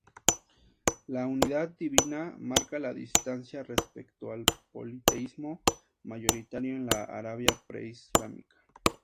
La unidad divina marca la distancia respecto al politeísmo, mayoritario en la Arabia preislámica.